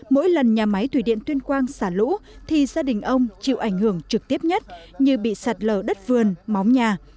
mỗi lần nhà máy thủy điện tuyên quang xả lũ thì gia đình ông chịu ảnh hưởng trực tiếp nhất như bị sạt lở đất vườn móng nhà